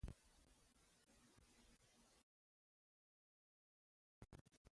موږ باید د کورنۍ ټول غړي په ګډو پریکړو کې شامل کړو